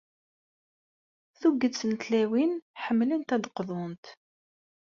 Tuget n tlawin ḥemmlent ad d-qḍunt.